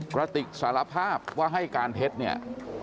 กระติกสารภาพว่าให้การเท็จเนี่ย